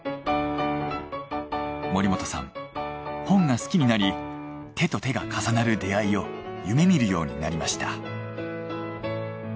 森本さん本が好きになり手と手が重なる出会いを夢見るようになりました。